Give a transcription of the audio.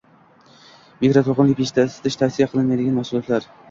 Mikroto‘lqinli pechda isitish tavsiya qilinmaydigan mahsulotlar